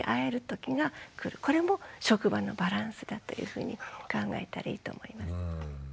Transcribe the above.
これも職場のバランスだというふうに考えたらいいと思います。